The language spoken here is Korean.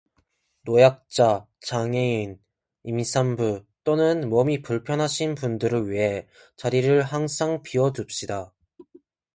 노약자, 장애인, 임산부 또는 몸이 불편하신 분들을 위해 자리를 항상 비워둡시다.